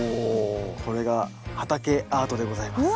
これが畑アートでございます。